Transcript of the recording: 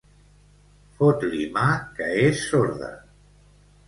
Fot-li mà que és sorda.